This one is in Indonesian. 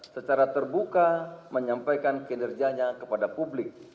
secara terbuka menyampaikan kinerjanya kepada publik